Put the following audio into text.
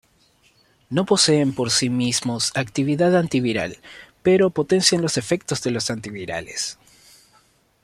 No poseen por sí mismos actividad antiviral, pero potencian los efectos de los antivirales.